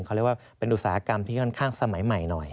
เขาเรียกว่าเป็นอุตสาหกรรมที่ค่อนข้างสมัยใหม่หน่อย